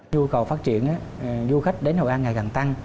nhu cầu phát triển du khách đến hội an ngày càng tăng